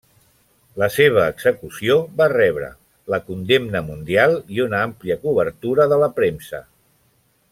La seva execució va rebre la condemna mundial i una àmplia cobertura de la premsa.